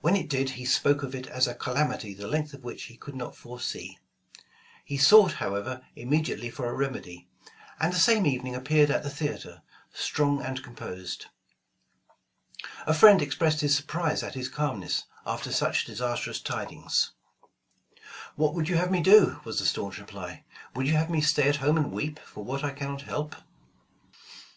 When it did, he spoke of it as a "calamity the length of which he could not foresee." He sought however immediately for a remedy; and the same evening appeared at the theater, strong and composed. A friend expressed his surprise at his calmness, after such disastrous tidings. *'What would you have me do?" was the staunch reply. "Would you have me stay at home and weep, for what I cannot help